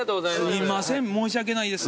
すいません申し訳ないです。